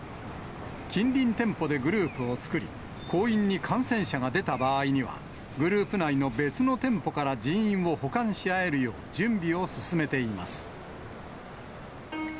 近隣店舗でグループを作り、行員に感染者が出た場合には、グループ内の別の店舗から人員を補完し合えるよう準備を進めています。